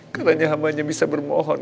karena hanya hambanya bisa bermohon